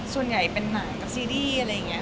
ส่วนใหญ่เป็นหนังกับซีรีส์อะไรอย่างนี้